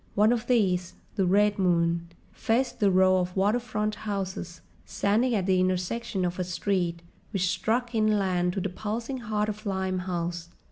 One of these, the Red Moon, faced the row of waterfront houses, standing at the intersection of a street which struck inland to the pulsing heart of Limehouse.